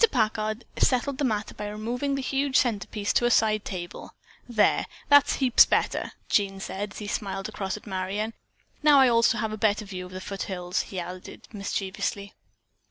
Packard settled the matter by removing the huge centerpiece to a side table. "There, that's heaps better!" Jean said as he smiled across at Marion. "Now I also have a better view of the foothills," he added mischievously.